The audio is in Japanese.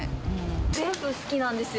全部好きなんですよ。